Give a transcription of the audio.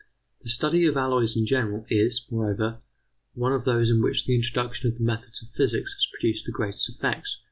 ] The study of alloys in general is, moreover, one of those in which the introduction of the methods of physics has produced the greatest effects.